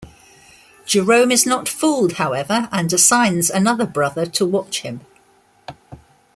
Jerome is not fooled, however, and assigns another brother to watch him.